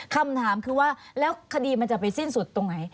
คำถามคือว่าแล้วคดีมันจะไปสิ้นสุดตรงไหน